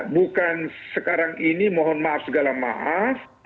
bukan sekarang ini mohon maaf segala mahar